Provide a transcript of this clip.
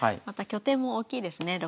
また拠点も大きいですね